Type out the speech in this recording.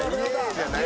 じゃない。